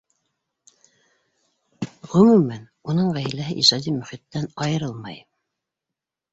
Ғөмүмән, уның ғаиләһе ижади мөхиттән айырылмай.